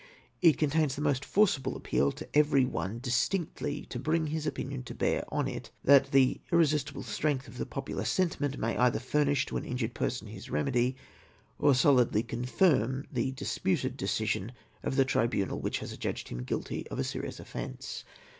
It contains the most forcible appeal to every one distinctly to bring his opinion to bear on it, that the irresistible strength of the popular sentiment may either furnish to an injured person his remedy, or solemnly confirm the disputed decision of the tribunal which has adjudged him guilty of a serious offence.